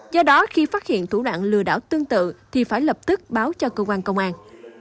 do đó khi phát hiện thủ đoạn lừa đảo tương tự thì phải lập tức báo cho cơ quan công an